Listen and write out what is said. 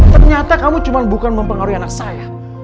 ternyata kamu bukan cuma mempengaruhi anak saya